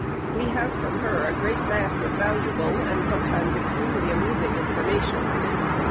We have from her a great mass of valuable, and sometimes extremely amusing, information.